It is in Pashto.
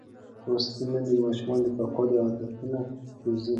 لوستې میندې د ماشوم د پاکوالي عادتونه روزي.